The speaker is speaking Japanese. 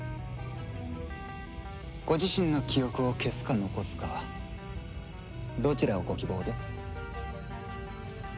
ご自身の記憶を消すか残すかどちらをご希望で？